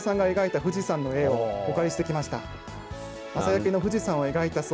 こちら阿久澤さんが描いた富士山の絵をお借りしてきました。